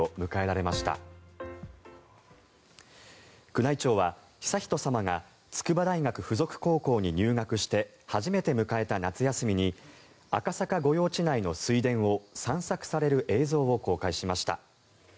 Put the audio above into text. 宮内庁は悠仁さまが筑波大学附属高校に入学して初めて迎えた夏休みに赤坂御用地内の水田を散策される映像を公開しました。